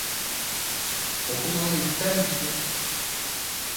Okumamı ister misin?